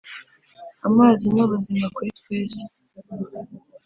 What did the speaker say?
Amazi nubuzima kuritwese